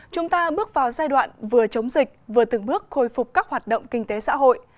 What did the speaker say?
chúng ta bước vào giai đoạn vừa chống dịch vừa từng bước khôi phục các hoạt động kinh tế xã hội